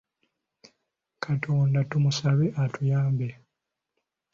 Katonda tumusabe atuyambe.